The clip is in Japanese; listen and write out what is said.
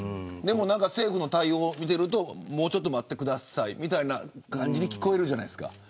政府の対応を見ているともうちょっと待ってくださいみたいな感じに聞こえるじゃないですか。